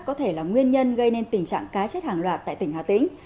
có thể là nguyên nhân gây nên tình trạng cá chết hàng loạt tại tỉnh hà tĩnh